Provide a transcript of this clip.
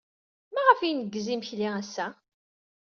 Maɣef ay ineggez imekli ass-a?